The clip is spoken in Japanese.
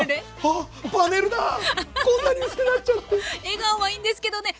笑顔はいいんですけどね。